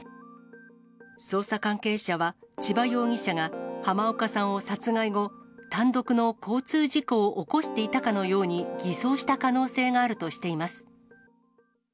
捜査関係者は、千葉容疑者が濱岡さんを殺害後、単独の交通事故を起こしていたかのように、偽装した可能性があるとしています。